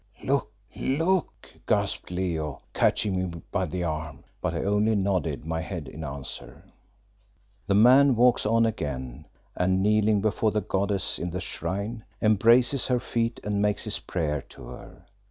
"Look, look!" gasped Leo, catching me by the arm; but I only nodded my head in answer. The man walks on again, and kneeling before the goddess in the shrine, embraces her feet and makes his prayer to her.